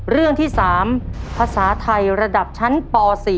เรื่องที่๓ภาษาไทยระดับชั้นป๔